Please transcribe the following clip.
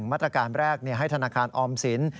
มาตรการแรกให้ธนาคารออมสิน